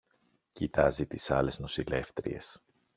Κοιτάζει τις άλλες νοσηλεύτριες